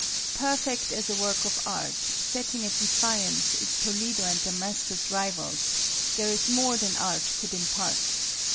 Perfect as a work of art, setting at defiance its Toledo and Damascus rivals, there is more than art could impart.